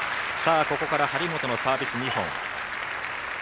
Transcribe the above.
ここから張本のサービス、２本。